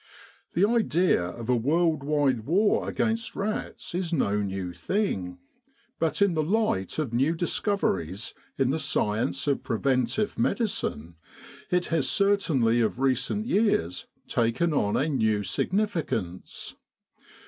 The idea of a world wide war against rats is no new thing, but in the light of new discoveries in the science of preventive medicine it has certainly of recent years taken on a new signifi cance.